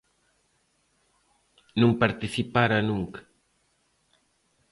Non participara nunca.